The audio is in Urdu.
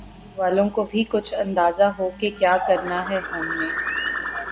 تاکہ ہم دور والوں کو بھی کچھ اندازہ ہوکہ کیا کرنا ہے ہم نے